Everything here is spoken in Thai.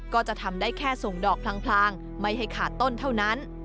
ก็จะทำได้แค่ส่งดอกพลางไม่ให้ขาดต้นเท่านั้น